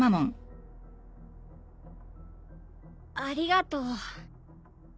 ありがとう。